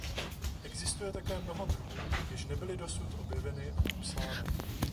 Existuje také mnoho druhů, jež nebyly dosud objeveny a popsány.